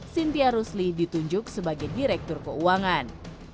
cynthia rusli ditunjuk sebagai direktur keuangan